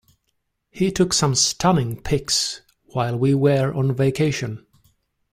He took some stunning pics while we were on vacation.